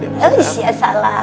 eh sia salah